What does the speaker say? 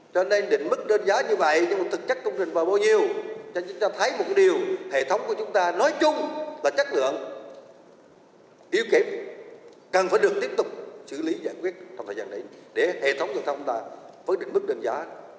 cho nên định mức đơn giá như vậy nhưng mà thực chất công trình vào bao nhiêu cho chúng ta thấy một điều hệ thống của chúng ta nói chung là chất lượng tiêu kém cần phải được tiếp tục xử lý giải quyết trong thời gian đấy để hệ thống giao thông ta với định mức đơn giá